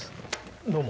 どうも。